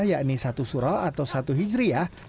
yakni satu surau atau satu hijriah